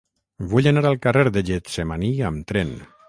Vull anar al carrer de Getsemaní amb tren.